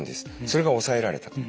それが抑えられた。